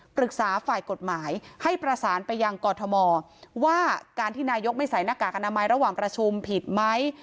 ปรึกษาฝ่ายกฎหมายให้ประสานไปยังกรทมว่าการที่นายกไม่ใส่หน้ากากอนามัยระหว่างประชุมผิดไหม